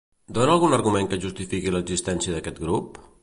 Dona algun argument que justifiqui l'existència d'aquest grup?